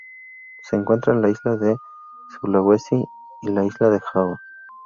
Se encuentra en la isla de Sulawesi y la Isla de Java.